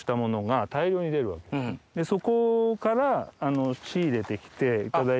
そこから仕入れて来て頂いて来て。